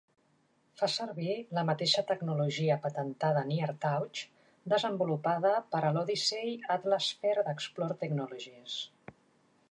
Fa servir la mateixa tecnologia patentada "NearTouch" desenvolupada per a l'Odyssey Atlasphere d'Explore Technologies.